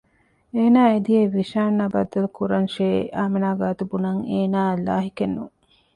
އޭނާ އެ ދިޔައީ ވިޝާން އާ ބައްދަލުކުރަންށޭ އާމިނާ ގާތު ބުނަން އޭނާއަށް ލާހިކެއް ނޫން